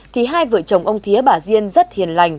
thì hai vợ chồng ông thía bà diên rất hiền lành